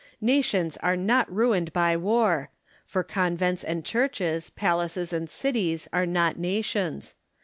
Nations are not ruined by war : for convents and churches, palaces and cities, are not nations.